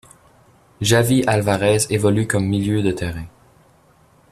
Javi Álvarez évolue comme milieu de terrain.